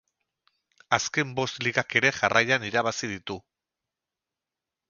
Azken bost ligak ere jarraian irabazi ditu.